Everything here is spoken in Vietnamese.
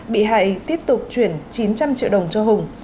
bị hại tiếp tục chuyển chín trăm linh triệu đồng